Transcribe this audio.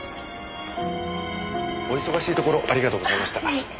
お忙しいところありがとうございました。